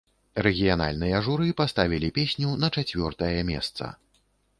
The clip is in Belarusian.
Рэгіянальныя журы паставілі песню на чацвёртае месца.